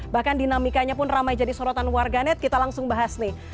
bahkan dinamikanya pun ramai jadi sorotan warganet kita langsung bahas nih